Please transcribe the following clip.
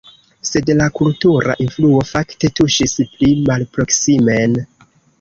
Sed la kultura influo fakte tuŝis pli malproksimen.